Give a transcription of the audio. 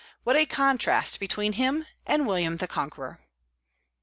What a contrast between him and William the Conqueror!